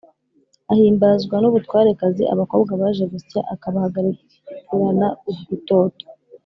ahimbazwa n’ubutwarekazi; abakobwa baje gusya akabahagarikirana urutoto